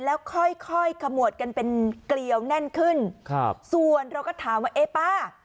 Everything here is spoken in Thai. แล้วค่อยค่อยขมวดกันเป็นเกลียวแน่นขึ้นครับส่วนเราก็ถามว่าเอ๊ะป้า